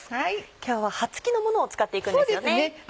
今日は葉付きのものを使っていくんですよね。